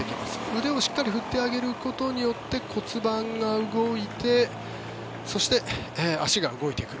腕をしっかり振ってあげることによって骨盤が動いてそして、足が動いてくる。